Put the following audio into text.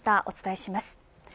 お伝えします。